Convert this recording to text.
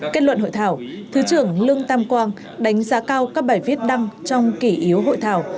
kết luận hội thảo thứ trưởng lương tam quang đánh giá cao các bài viết đăng trong kỷ yếu hội thảo